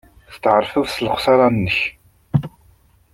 Testeɛṛfeḍ s lexṣara-nnek.